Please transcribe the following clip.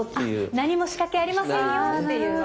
何も仕掛けありせんよっていう。